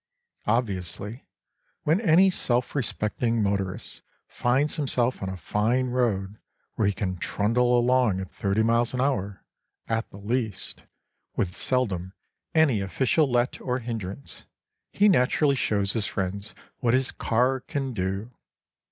Obviously, when any self respecting motorist finds himself on a fine road where he can trundle along at thirty miles an hour (at the least), with seldom any official let or hindrance, he naturally shows his friends what his car can do!